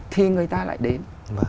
thì người ta lại đến